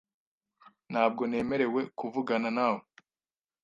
Ntabwo nemerewe kuvugana nawe .